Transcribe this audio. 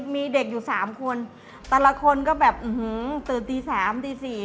มีเด็กอยู่สามคนแต่ละคนก็แบบอื้อหือตื่นตีสามตีสี่